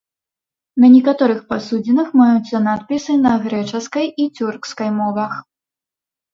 На некаторых пасудзінах маюцца надпісы на грэчаскай і цюркскай мовах.